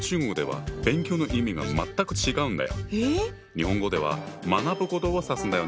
日本語では学ぶことをさすんだよね。